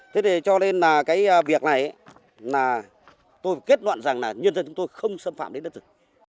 thế thì cho nên là cái việc này là tôi kết luận rằng là nhân dân chúng tôi không xâm phạm đến đất rừng